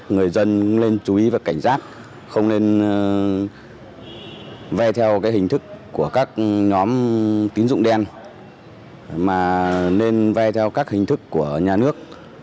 người dân nên chú ý và cảnh giác không nên ve theo hình thức của các nhóm tín dụng đen mà nên ve theo các hình thức của nhà nước